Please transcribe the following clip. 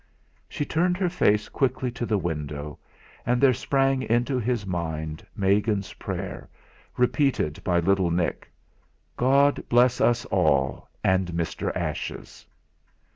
She turned her face quickly to the window, and there sprang into his mind Megan's prayer, repeated by little Nick: "God bless us all, and Mr. Ashes!"